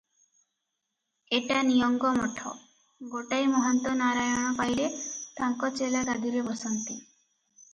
ଏଟା ନିଅଙ୍ଗ ମଠ, ଗୋଟାଏ ମହନ୍ତ ନାରାୟଣ ପାଇଲେ ତାଙ୍କ ଚେଲା ଗାଦିରେ ବସନ୍ତି ।